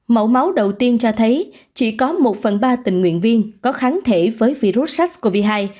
mẫu máu đầu tiên cho thấy chỉ có một phần ba tình nguyện viên có kháng thể với virus sars cov hai